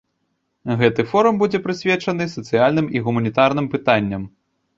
Гэты форум будзе прысвечаны сацыяльным і гуманітарным пытанням.